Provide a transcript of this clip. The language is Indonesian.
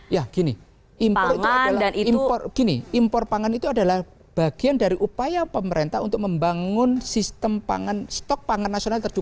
ya gini impor pangan itu adalah bagian dari upaya pemerintah untuk membangun sistem pangan stok pangan nasional